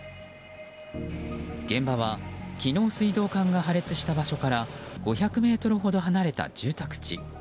現場は、昨日水道管が破裂した場所から５００ｍほど離れた住宅地。